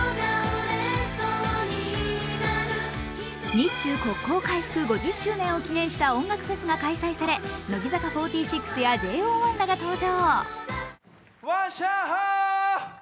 日中国交回復５０周年を記念した音楽フェスが開催され乃木坂４６やＪＯ１が登場。